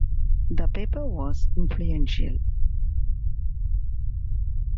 The paper was influential.